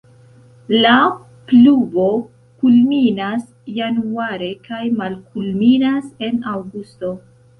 La pluvo kulminas januare kaj malkulminas en aŭgusto.